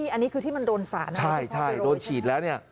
อันนี้คือที่มันโดนสารใช่โดนฉีดแล้ว